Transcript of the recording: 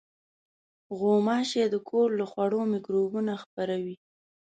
غوماشې د کور له خوړو مکروبونه خپروي.